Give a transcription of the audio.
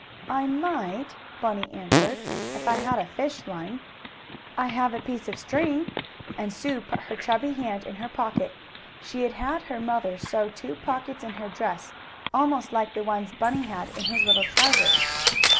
"I might," Bunny answered, "if I had a fish line." "I have a piece of string," and Sue put her chubby hand in her pocket. She had had her mother sew two pockets in her dress, almost like the ones Bunny had in his little trousers.